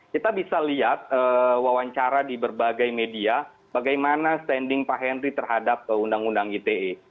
kita bisa lihat wawancara di berbagai media bagaimana standing pak henry terhadap undang undang ite